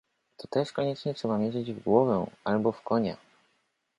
"To też koniecznie trzeba mierzyć w głowę, albo w konia."